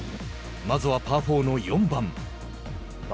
まずは、パー４の４番。